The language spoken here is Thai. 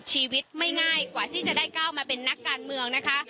ชีวิตไม่ง่ายกว่าที่จะได้ก้าวมาเป็นนักการเมืองนะคะ